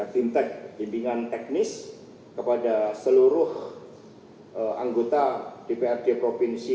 fintech bimbingan teknis kepada seluruh anggota dprd provinsi